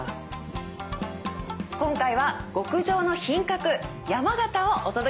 今回は「極上の品格山形」をお届けしました。